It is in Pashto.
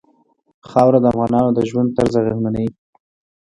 خاوره د افغانانو د ژوند طرز اغېزمنوي.